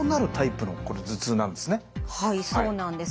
はいそうなんです。